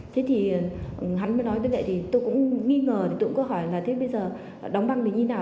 thế thì hắn mới nói như vậy thì tôi cũng nghi ngờ tôi cũng có hỏi là thế bây giờ đóng băng thì như nào